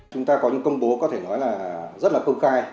chúng ta có những công bố có thể nói là rất là công khai